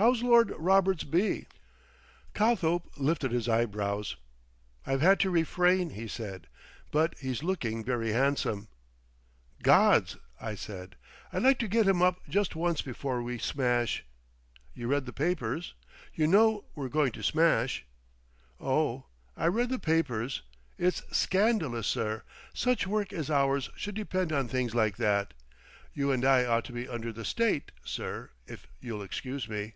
'" "How's Lord Roberts β?" Cothope lifted his eyebrows. "I've had to refrain," he said. "But he's looking very handsome." "Gods!" I said, "I'd like to get him up just once before we smash. You read the papers? You know we're going to smash?" "Oh! I read the papers. It's scandalous, sir, such work as ours should depend on things like that. You and I ought to be under the State, sir, if you'll excuse me."